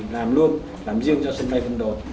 làm luôn làm riêng cho sân bay phân đột